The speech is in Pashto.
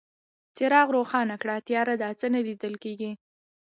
څراغ روښانه کړه، تياره ده، څه نه ليدل کيږي.